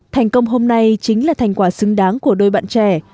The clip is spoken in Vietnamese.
thành công hôm nay chính là thành quả xứng đáng của đôi bạn trẻ